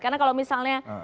karena kalau misalnya